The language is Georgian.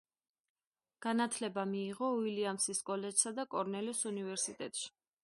განათლება მიიღო უილიამსის კოლეჯსა და კორნელის უნივერსიტეტში.